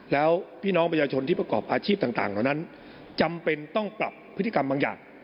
แล้วพี่น้องประชาชนที่ประกอบอาชีพต่างเหล่านั้นจำเป็นต้องปรับพฤติกรรมบางอย่าง